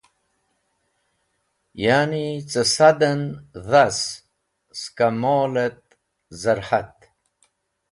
Ya’ni ce sad en dhas skẽ mol et zar’at.